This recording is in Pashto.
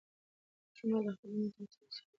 ماشوم باید د خپل عمر سره سم مسوولیت واخلي.